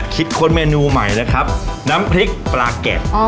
คิดค้นเมนูใหม่นะครับน้ำพริกปลาแกะอ๋อ